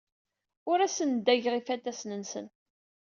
Ur asen-ddageɣ ifatasen-nsen.